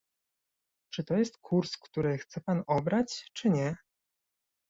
Czy to jest kurs, który chce pan obrać, czy nie?